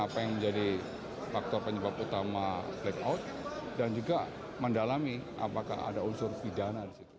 apa yang menjadi faktor penyebab utama blackout dan juga mendalami apakah ada unsur pidana di situ